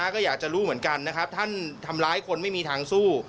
ก็อยากจะรู้เหมือนกันนะครับท่านทำร้ายคนไม่มีทางสู้